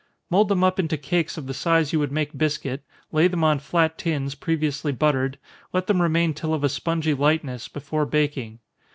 Mould them up into cakes of the size you would make biscuit, lay them on flat tins, previously buttered, let them remain till of a spongy lightness, before baking.